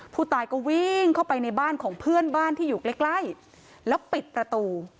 ผู้ตายก็วิ่งเข้าไปในบ้านของเพื่อนบ้านที่อยู่ใกล้ใกล้แล้วปิดประตู